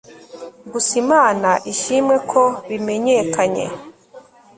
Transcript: gusa imana ishimwe ko bimenyekanye